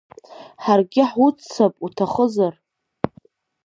Ҳаргьы ҳуццап уҭахызар?